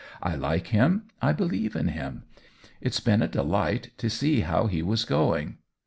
" I like him, I believe in him — it's been a delight to see how he was going."